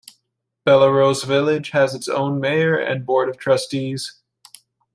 Bellerose Village has its own mayor and Board of trustees.